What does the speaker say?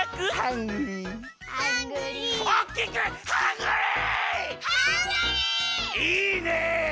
いいね！